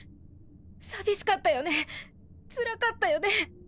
寂しかったよねつらかったよね。